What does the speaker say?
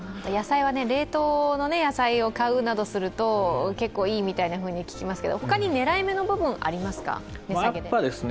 野菜は冷凍の野菜を買うなどすると結構いいみたいに聞きますけど、他に狙い目の部分ありますか、値下げで。